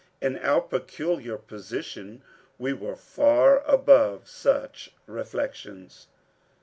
In our peculiar position we were far above such reflections.